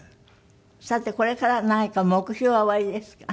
さてこれから何か目標はおありですか？